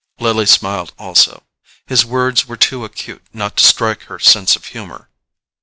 Lily smiled also: his words were too acute not to strike her sense of humour.